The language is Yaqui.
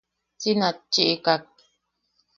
Si natchiʼikak.